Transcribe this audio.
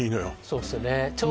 そうですよね